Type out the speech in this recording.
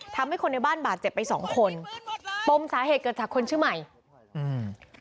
ทำให้คนในบ้านบาดเจ็บไปสองคนปมสาเหตุเกิดจากคนชื่อใหม่อืม